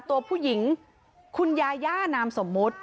ตัวผู้หญิงคุณยานามสมบุตร